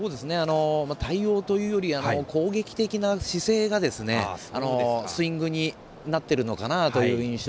対応というより攻撃的な姿勢がスイングになっているのかなという印象。